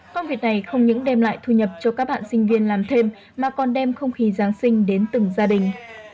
công việc này không những đem lại thu nhập cho các bạn sinh viên làm thêm mà còn đem không khí giáng sinh đến từng gia đình